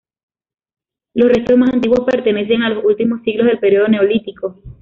Los restos más antiguos pertenecen a los últimos siglos del periodo neolítico.